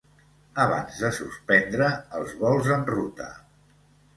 abans de suspendre els vols en ruta.